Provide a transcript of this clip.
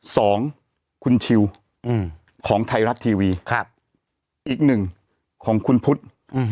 สองคุณชิวของไทยรัฐทีวีครับอีกหนึ่งของคุณพุทธอืม